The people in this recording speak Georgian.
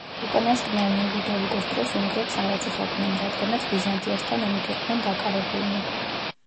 უკანასკნელნი ლუდოვიკოს დროს უნგრეთს არ აწუხებდნენ რადგანაც ბიზანტიასთან ომით იყვნენ დაკავებულნი.